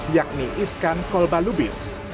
yakni iskan kolbalubis